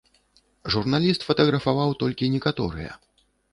Журналіст фатаграфаваў толькі некаторыя.